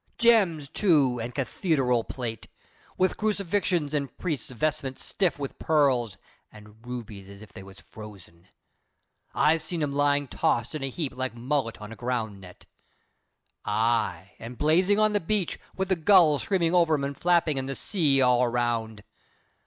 Gems, too, and cath e deral plate, with crucifixions and priests' vestments stiff with pearls and rubies as if they was frozen. I've seen 'em lyin' tossed in a heap like mullet in a ground net. Ay, and blazin' on the beach, with the gulls screamin' over 'em and flappin', and the sea all around.